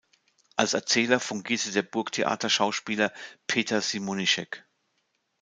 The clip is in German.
Als Erzähler fungierte der Burgtheater Schauspieler Peter Simonischek.